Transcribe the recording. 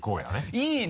いいね！